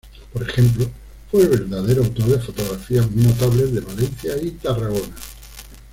Por ejemplo, fue el verdadero autor de fotografías muy notables de Valencia y Tarragona.